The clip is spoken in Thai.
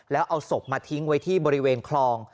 แล้วเอาศพมาทิ้งไว้ที่บริเวณคลอง